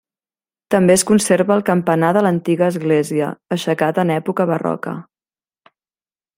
També es conserva el campanar de l'antiga església, aixecat en època barroca.